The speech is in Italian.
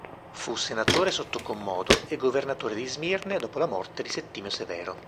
Fu senatore sotto Commodo e governatore di Smirne dopo la morte di Settimio Severo.